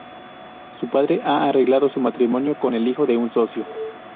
Su padre ha arreglado su matrimonio con el hijo de un socio.